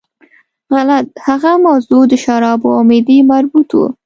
غلط، هغه موضوع د شرابو او معدې مربوط وه.